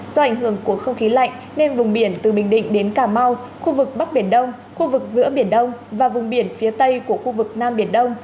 do ảnh hưởng của không khí lạnh nên vùng biển từ bình định đến cà mau khu vực bắc biển đông khu vực giữa biển đông và vùng biển phía tây của khu vực nam biển đông